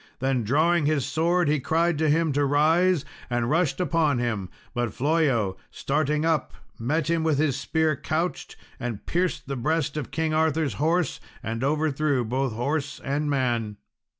Then drawing his sword, he cried to him to rise, and rushed upon him; but Flollo, starting up, met him with his spear couched, and pierced the breast of King Arthur's horse, and overthrew both horse and man.